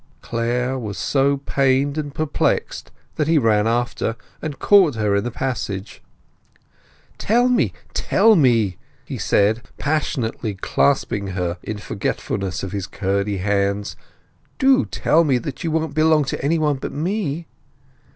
Clare was so pained and perplexed that he ran after and caught her in the passage. "Tell me, tell me!" he said, passionately clasping her, in forgetfulness of his curdy hands: "do tell me that you won't belong to anybody but me!"